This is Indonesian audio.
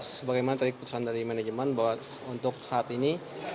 sebagai materi keputusan dari manajemen bahwa untuk saat ini